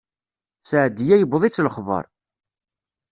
Seɛdiya yewweḍ-itt lexbaṛ.